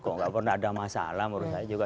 kalau gak pernah ada masalah menurut saya juga